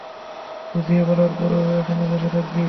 বুঝিয়ে বলার পরেও এখানে বসে থাকবি?